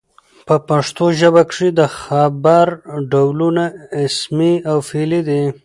په پښتو ژبه کښي د خبر ډولونه اسمي او فعلي دي.